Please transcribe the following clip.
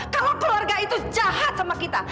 kalau keluarga itu jahat sama kita